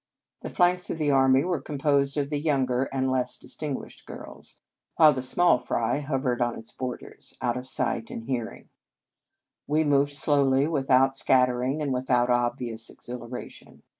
The flanks of the army were composed of younger and less distinguished girls, while 118 Un Conge sans Cloche the small fry hovered on its borders, out of sight and hearing. We moved slowly, without .scattering, and with out obvious exhilaration.